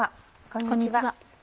こんにちは。